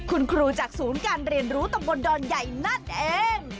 คุณครูจากศูนย์การเรียนรู้ตำบลดอนใหญ่นั่นเอง